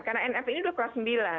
karena nf ini udah kelas sembilan